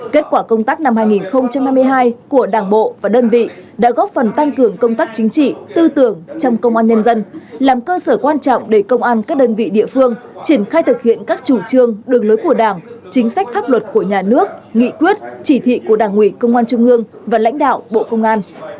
kết quả công tác năm hai nghìn hai mươi hai của đảng bộ và đơn vị đã góp phần tăng cường công tác chính trị tư tưởng trong công an nhân dân làm cơ sở quan trọng để công an các đơn vị địa phương triển khai thực hiện các chủ trương đường lối của đảng chính sách pháp luật của nhà nước nghị quyết chỉ thị của đảng ủy công an trung ương và lãnh đạo bộ công an